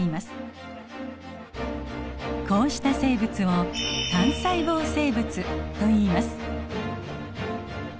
こうした生物を単細胞生物といいます。